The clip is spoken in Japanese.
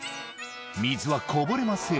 「水はこぼれません」